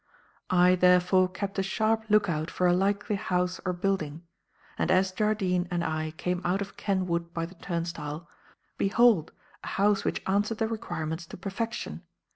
"I, therefore, kept a sharp look out for a likely house or building; and, as Jardine and I came out of Ken Wood by the turnstile, behold! a house which answered the requirements to perfection.